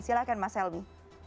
silahkan mas helmy